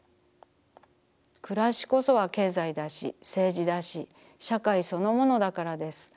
くらしこそは経済だし政治だし社会そのものだからです。